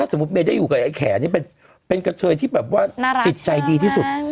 ถ้าสมมุติไม่ได้อยู่กับไอ้แขนนี่เป็นกระเทยที่จิตใจดีที่สุด